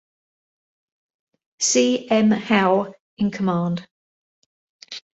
C. M. Howe in command.